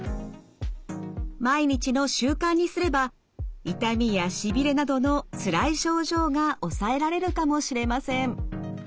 毎日の習慣にすれば痛みやしびれなどのつらい症状が抑えられるかもしれません。